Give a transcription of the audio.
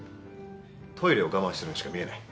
トイレを我慢してるようにしか見えない。